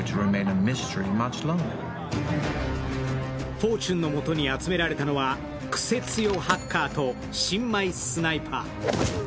フォーチュンのもとに集められたのは、癖強ハッカーと新米スナイパー。